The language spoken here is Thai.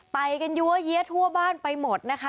ไปกันยั้วเยี้ยทั่วบ้านไปหมดนะคะ